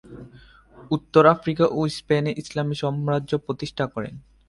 উত্তর আফ্রিকা ও স্পেনে ইসলামী সম্রাজ্য প্রতিষ্ঠা করেন।